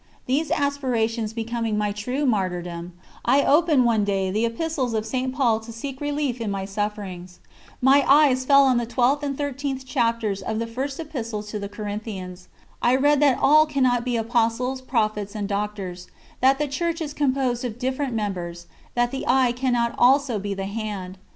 These aspirations becoming a true martyrdom, I opened, one day, the Epistles of St. Paul to seek relief in my sufferings. My eyes fell on the 12th and 13th chapters of the First Epistle to the Corinthians. I read that all cannot become Apostles, Prophets, and Doctors; that the Church is composed of different members; that the eye cannot also be the hand.